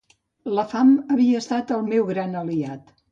La fam havia estat el meu gran aliat.